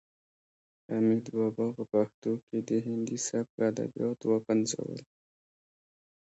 حمید بابا په پښتو کې د هندي سبک ادبیات وپنځول.